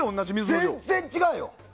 全然違うよ！